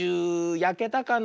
やけたかな。